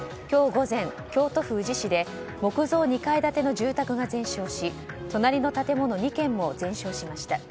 今日午前、京都府宇治市で木造２階建ての住宅が全焼し隣の建物２軒も全焼しました。